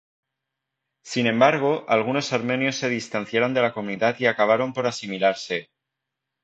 Sin embargo, algunos armenios se distanciaron de la comunidad y acabaron por asimilarse.